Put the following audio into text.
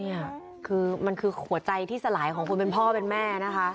นี่คือมันคือหัวใจที่สลายของคนเป็นพ่อเป็นแม่นะคะ